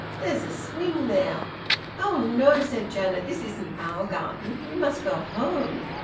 There's a swing there." "Oh no!" said Janet. "This isn't our garden. We must go home.